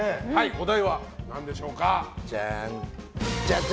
お題は何でしょうか。